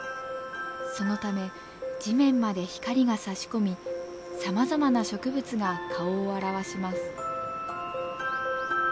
そのため地面まで光がさし込みさまざまな植物が顔を現します。